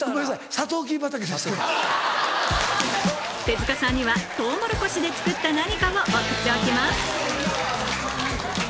手塚さんにはとうもろこしで作った何かを送っておきます